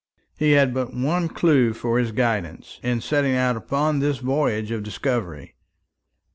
He had but one clue for his guidance in setting out upon this voyage of discovery.